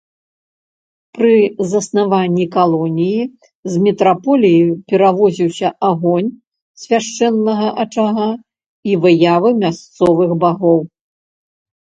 Пры заснаванні калоніі з метраполіі перавозіўся агонь свяшчэннага ачага і выявы мясцовых багоў.